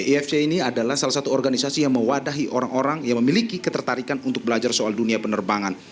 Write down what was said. afc ini adalah salah satu organisasi yang mewadahi orang orang yang memiliki ketertarikan untuk belajar soal dunia penerbangan